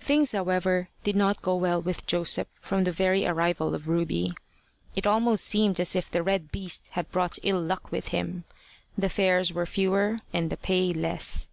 Things however did not go well with Joseph from the very arrival of Ruby. It almost seemed as if the red beast had brought ill luck with him. The fares were fewer, and the pay less.